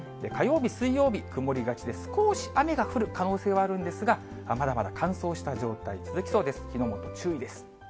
火曜日、水曜日、曇りがちで、少し雨が降る可能性はあるんですが、まだまだ乾燥した状態、続きそうです。